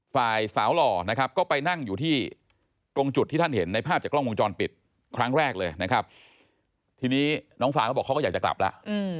ฝ่ายสาวหล่อนะครับก็ไปนั่งอยู่ที่ตรงจุดที่ท่านเห็นในภาพจากกล้องวงจรปิดครั้งแรกเลยนะครับทีนี้น้องฟางเขาบอกเขาก็อยากจะกลับแล้ว